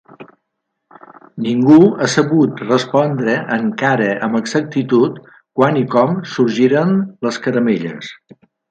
Ningú ha sabut respondre encara amb exactitud quan i com sorgiren les caramelles.